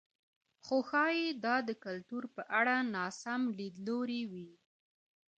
خو ښايي دا د کلتور په اړه ناسم لیدلوری وي.